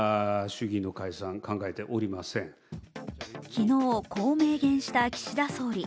昨日、こう明言した岸田総理。